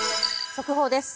速報です。